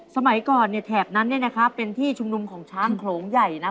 สมัยก่อนเนี่ยแถบนั้นเนี่ยนะครับเป็นที่ชุมนุมของช้างโขลงใหญ่นะ